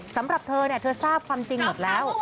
สำหรับเธอเธอทราบความจริงหมดแล้ว